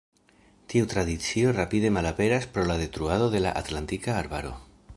Tiu tradicio rapide malaperas pro la detruado de la atlantika arbaro.